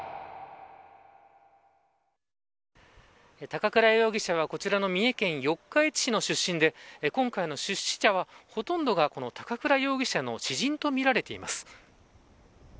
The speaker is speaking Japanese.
高倉容疑者は、こちらの三重県四日市市の出身で今回の出資者はほとんどが高倉容疑者の知人とみられています。